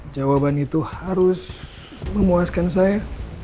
jawaban itu harus memuaskan saya